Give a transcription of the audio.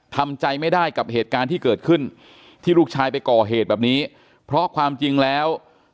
ทำใจไม่ได้กับเหตุการณ์ที่เกิดขึ้นที่ลูกชายไปก่อเหตุแบบนี้เพราะความจริงแล้ว